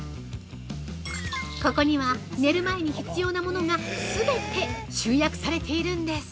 ここには、寝る前に必要なものが全て集約されているんです。